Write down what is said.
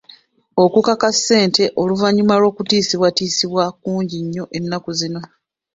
Okukaka ssente oluvannyuma lw'okutiisibwatiisibwa kungi nnyo ennaku zino.